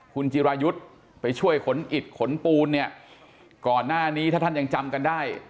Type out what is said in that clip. คุณจิรายุทธ์ไปช่วยขนอิดขนปูนเนี่ยก่อนหน้านี้ถ้าท่านยังจำกันได้